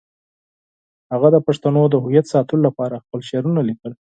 هغه د پښتنو د هویت ساتلو لپاره خپل شعرونه لیکل.